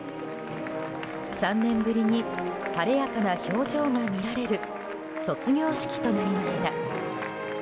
３年ぶりに晴れやかな表情が見られる卒業式となりました。